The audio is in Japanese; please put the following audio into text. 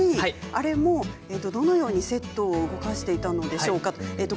あれも、どのようにセットを動かしていたのでしょうか。